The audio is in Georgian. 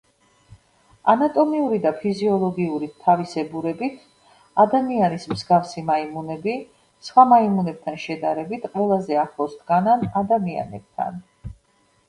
ანატომიური და ფიზიოლოგიური თავისებურებით ადამიანის მსგავსი მაიმუნები სხვა მაიმუნებთან შედარებით ყველაზე ახლო დგანან ადამიანებთან.